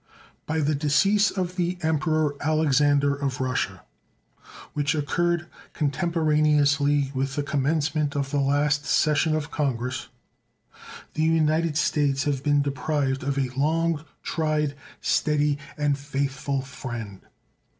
By the decease of the Emperor Alexander of Russia, which occurred contemporaneously with the commencement of the last session of Congress, the United States have been deprived of a long tried, steady, and faithful friend.